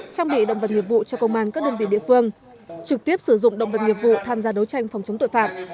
trang bị động vật nghiệp vụ cho công an các đơn vị địa phương trực tiếp sử dụng động vật nghiệp vụ tham gia đấu tranh phòng chống tội phạm